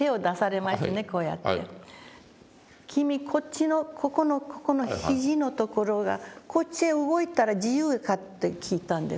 こうやって「君こっちのここの肘のところがこっちへ動いたら自由か？」って聞いたんです。